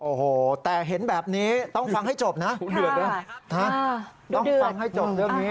โอ้โหแต่เห็นแบบนี้ต้องฟังให้จบนะเดือดนะต้องฟังให้จบเรื่องนี้